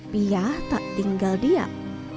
piyah tak tinggal diam